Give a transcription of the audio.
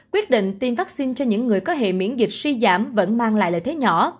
quyết định tiêm vaccine cho những người có hệ miễn dịch suy giảm vẫn mang lại lợi thế nhỏ